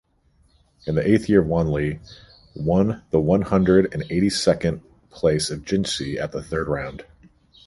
In the eighth year of Wanli, won the one hundred and eighty second place of Jinshi at the third round.